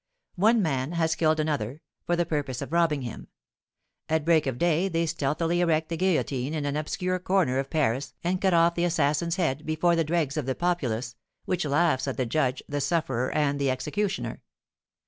One man has killed another, for the purpose of robbing him; at break of day they stealthily erect the guillotine in an obscure corner of Paris and cut off the assassin's head before the dregs of the populace, which laughs at the judge, the sufferer, and the executioner.